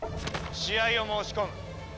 試合を申し込む。